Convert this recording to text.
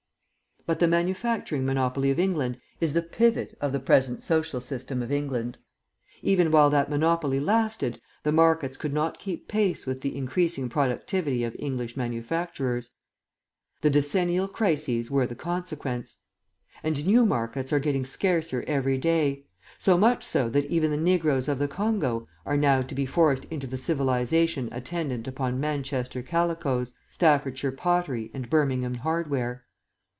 "But the manufacturing monopoly of England is the pivot of the present social system of England. Even while that monopoly lasted, the markets could not keep pace with the increasing productivity of English manufacturers; the decennial crises were the consequence. And new markets are getting scarcer every day, so much so that even the negroes of the Congo are now to be forced into the civilisation attendant upon Manchester calicos, Staffordshire pottery, and Birmingham hardware.